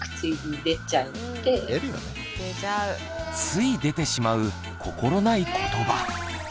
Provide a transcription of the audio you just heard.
つい出てしまう心ない言葉。